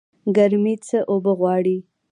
ګرمي څه اوبه غواړي؟